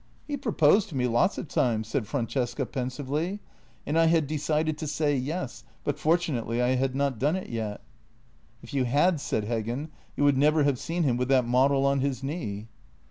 " He proposed to me lots of times," said Francesca pensively, and I had decided to say yes, but fortunately I had not done it yet." " If you had," said Heggen, " you would never have seen him with that model on his knee."